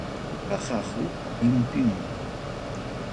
Pukaqa huk llinpim.